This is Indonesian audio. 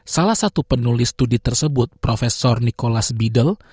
salah satu penulis studi tersebut profesor nicholas beadle